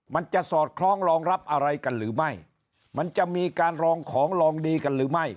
มันจะสอดคล้องรองรับอะไรกันหรือไม่มันจะมีการลองของลองดีกันหรือไม่